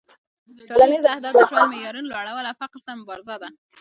ټولنیز اهداف د ژوند معیارونو لوړول او فقر سره مبارزه ده